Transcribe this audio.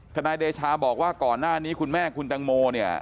นายเดชาบอกว่าก่อนหน้านี้คุณแม่คุณตังโมเนี่ย